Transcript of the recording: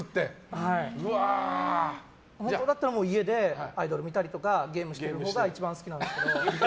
本当だったら家でアイドル見たりとかゲームしてるほうが一番好きなんですけど。